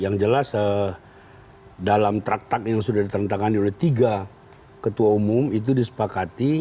yang jelas dalam traktat yang sudah diterentakkan oleh tiga ketua umum itu disepakati